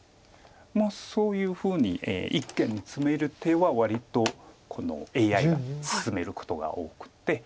そういうふうに一間にツメる手は割とＡＩが薦めることが多くて。